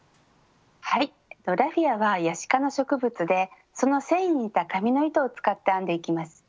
はいラフィアはヤシ科の植物でその繊維に似た紙の糸を使って編んでいきます。